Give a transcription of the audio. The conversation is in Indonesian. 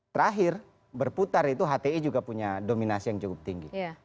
terakhir berputar itu hti juga punya dominasi yang cukup tinggi